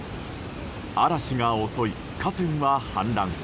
嵐が襲い、河川は氾濫。